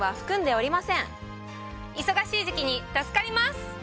忙しい時期に助かります！